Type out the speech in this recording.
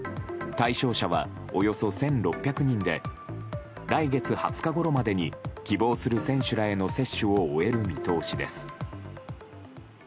対象者は、およそ１６００人で来月２０日ごろまでに希望する選手らへの接種を終える見通しです。